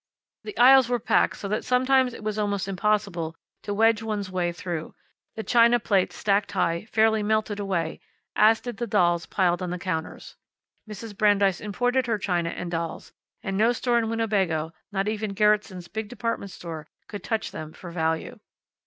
The aisles were packed so that sometimes it was almost impossible to wedge one's way through. The china plates, stacked high, fairly melted away, as did the dolls piled on the counters. Mrs. Brandeis imported her china and dolls, and no store in Winnebago, not even Gerretson's big department store, could touch them for value.